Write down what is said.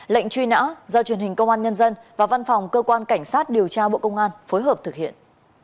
lệnh truy nã do truyền hình công an nhân dân và văn phòng cơ quan cảnh sát điều tra bộ công an phối hợp thực hiện